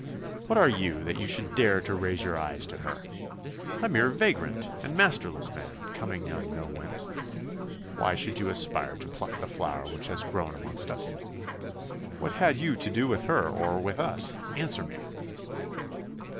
What are you that you should dare to raise your eyes to her! A mere vagrant and masterless man, coming none know whence. Why should you aspire to pluck the flower which has grown up amongst us? What had you to do with her or with us? Answer me!